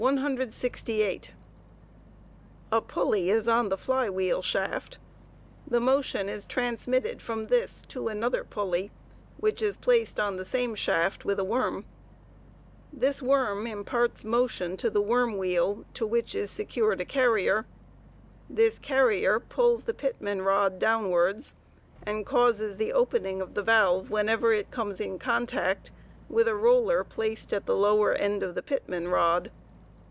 A pulley (28) is on the fly wheel shaft The motion is transmitted from this^gj^ 101 * to another pulley (29), which is placed on the same shaft with a worm (30). This worm imparts motion to the worm wheel 31 to which is secured a carrier (32). This carrier pulls the pitman rod 24 downwards, and causes the opening of the valve 20 whenever it comes in contact with a roller (33) placed at the lower end of the pitman rod.